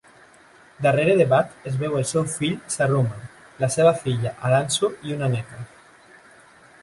Darrere d'Hebat es veu el seu fill Sharruma, la seva filla Alanzu i una neta.